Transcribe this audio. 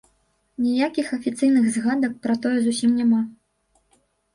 Ніякіх афіцыйных згадак пра тое зусім няма.